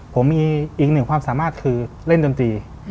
ผมมีอีกหนึ่งความสามารถคือเล่นดนตรี